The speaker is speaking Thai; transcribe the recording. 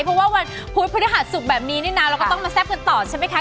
เพราะว่าวันพุธพฤหัสศุกร์แบบนี้เนี่ยนะเราก็ต้องมาแซ่บกันต่อใช่ไหมคะ